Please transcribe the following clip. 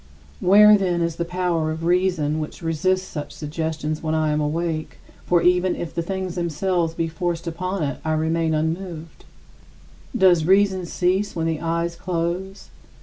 Where, then, is the power of reason which resists such suggestions when I am awake for even if the things themselves be forced upon it I remain unmoved? Does reason cease when the eyes close?